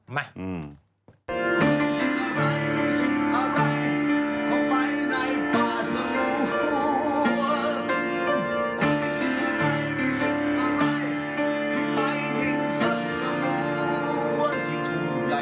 มา